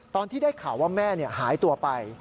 ตอนที่ได้ข่าวว่าแม่หายตัวไป